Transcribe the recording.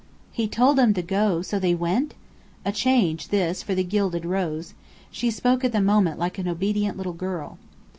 He told them to go so they went! A change, this, for the Gilded Rose. She spoke at the moment like an obedient little girl.